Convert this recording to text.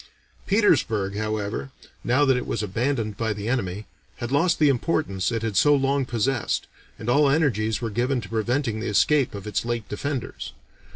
Petersburg, however, now that it was abandoned by the enemy, had lost the importance it had so long possessed, and all energies were given to preventing the escape of its late defenders.